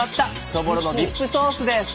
そぼろのディップソースです！